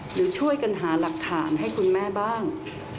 หรือช่วยกันหาหลักฐานให้คุณแม่บ้าง